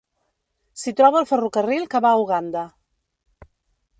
S'hi troba el ferrocarril que va a Uganda.